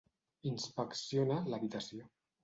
Inspecciona l'habitació.